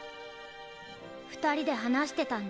２人で話してたんです。